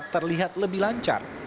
terlihat lebih lancar